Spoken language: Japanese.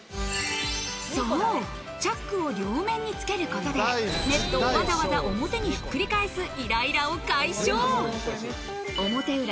そうチャックを両面につけることでネットをわざわざ表にひっくり返すイライラを解消表裏